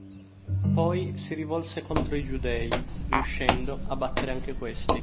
Poi si rivolse contro i Giudei, riuscendo a battere anche questi.